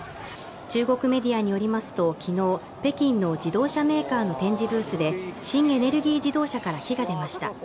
中国メディアによりますと昨日、北京の自動車メーカーの展示ブースで新エネルギー自動車から火が出ました。